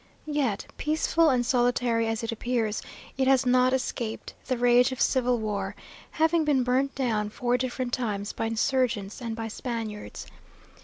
Yet, peaceful and solitary as it appears, it has not escaped the rage of civil war, having been burnt down four different times by insurgents and by Spaniards.